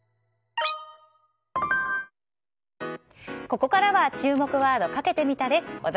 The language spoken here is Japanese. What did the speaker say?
ここからは注目ワードかけてみたです。